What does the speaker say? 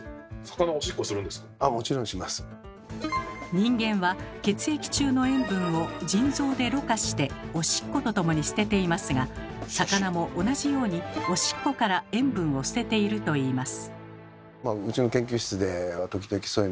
人間は血液中の塩分を腎臓でろ過しておしっこと共に捨てていますが魚も同じようにおしっこから塩分を捨てているといいます。